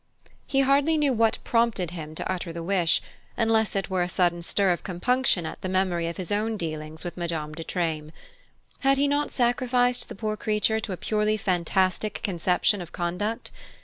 He hardly knew what prompted him to utter the wish, unless it were a sudden stir of compunction at the memory of his own dealings with Madame de Treymes. Had he not sacrificed the poor creature to a purely fantastic conception of conduct?